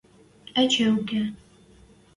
Эче уке.